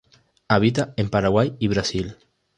Habita en Paraguay y Brasil.